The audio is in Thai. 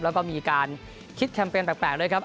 แล้วก็มีการคิดแคมเปญแปลกด้วยครับ